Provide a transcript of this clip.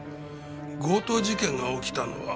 強盗事件が起きたのは？